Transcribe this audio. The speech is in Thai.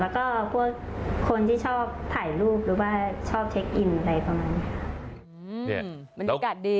แล้วก็พวกคนที่ชอบถ่ายรูปหรือว่าชอบเช็คอินอะไรประมาณนี้